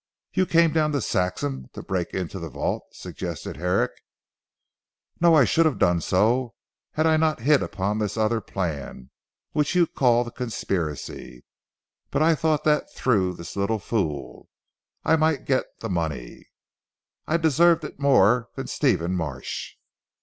"You came down to Saxham to break into the vault?" suggested Herrick. "No, I should have done so, had I not hit upon this other plan what you call the conspiracy. But I thought that through this little fool I might get the money. I deserve it more than Stephen Marsh."